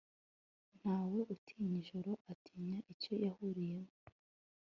ntawe utinya ijoro, atinya icyo bahuriyemo